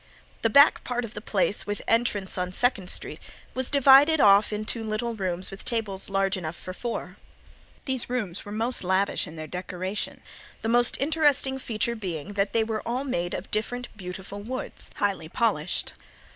The back part of the place with entrance on Second street was divided off into little rooms with tables large enough for four. These rooms were most lavish in their decoration, the most interesting feature being that they were all made of different beautiful woods, highly polished.